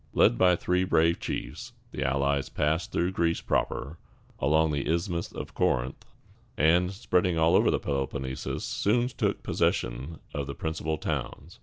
Led by three brave chiefs, the allies passed through Greece proper, along the Isthmus of Corinth, and, spreading all over the Peloponnesus, soon took possession of the principal towns.